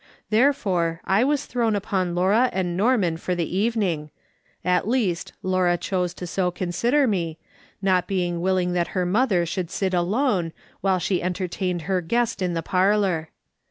There fore I was thrown upon Laura and Norman for the evening , at least, Laura chose to so consider me, not being willing that her mother should sit alone, while she entertained her guest in the parlour.